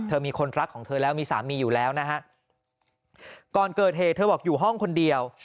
มีคนรักของเธอแล้วมีสามีอยู่แล้วนะฮะก่อนเกิดเหตุเธอบอกอยู่ห้องคนเดียว